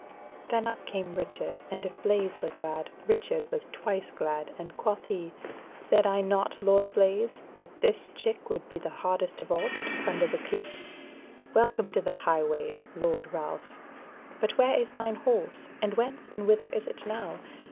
Then up came Richard, and if Blaise were glad, Richard was twice glad, and quoth he: "Said I not, Lord Blaise, that this chick would be the hardest of all to keep under the coop? Welcome to the Highways, Lord Ralph! But where is thine horse? and whence and whither is it now?